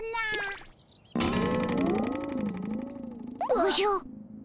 おじゃ。